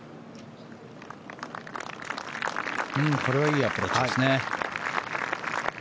これはいいアプローチですね。